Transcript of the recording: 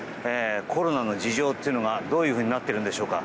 コロナの事情っていうのがどういうふうになっているんでしょうか。